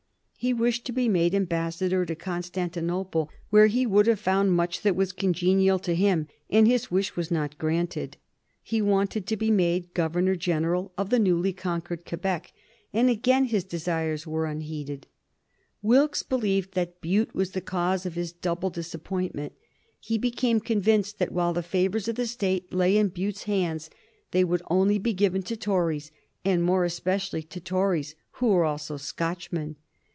He wished to be made ambassador to Constantinople, where he would have found much that was congenial to him, and his wish was not granted. He wished to be made Governor General of the newly conquered Quebec, and again his desires were unheeded. Wilkes believed that Bute was the cause of his double disappointment. He became convinced that while the favors of the State lay in Bute's hands they would only be given to Tories, and more especially to Tories who were also Scotchmen.